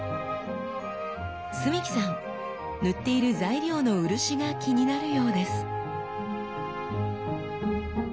澄輝さん塗っている材料の漆が気になるようです。